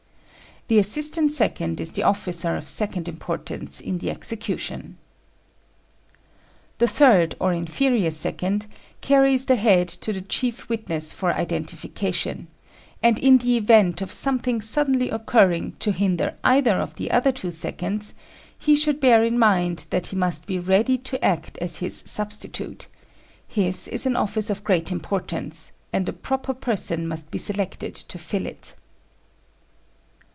The assistant second is the officer of second importance in the execution. The third or inferior second carries the head to the chief witness for identification; and in the event of something suddenly occurring to hinder either of the other two seconds, he should bear in mind that he must be ready to act as his substitute: his is an office of great importance, and a proper person must be selected to fill it.